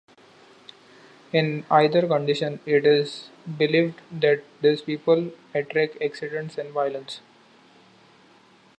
In either condition, it is believed that these people attract accidents and violence.